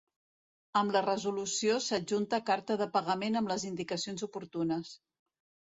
Amb la resolució s'adjunta carta de pagament amb les indicacions oportunes.